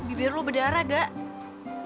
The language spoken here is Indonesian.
bibir lu berdarah gak